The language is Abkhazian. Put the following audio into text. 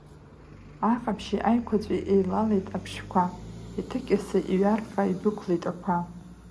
Аҟаԥшьи аиқәаҵәеи еилалеит аԥшшәқәа, иҭыкьаса иҩарха идәықәлеит ақәа.